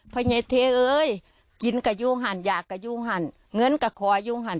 เพราะไงเธอเอ้ยกินกะยุงหันหยากกะยุงหันเงินกะคอยุงหัน